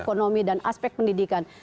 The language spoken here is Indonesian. ekonomi dan aspek pendidikan